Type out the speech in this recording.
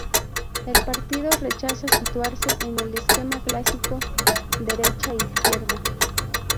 El partido rechaza situarse en el esquema clásico derecha-izquierda.